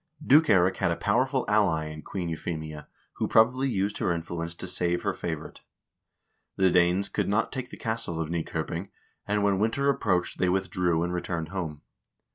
Duke Eirik had a powerful ally in Queen Euphemia, who probably used her influence to save her favorite. The Danes could not take the castle of Nykoping, and when winter approached they withdrew and returned home.